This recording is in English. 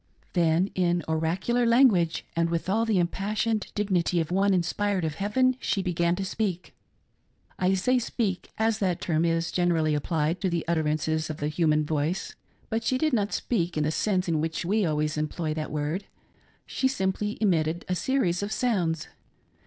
Then in oracular language and with all the impassioned dignity of one inspired of heaven, she began to speak. I say " speak," as that term is generally applied to the ut terances of the human voice ; but she did not speak in the sense in which we always employ that word ; she sin; iply emitted a series of sounds.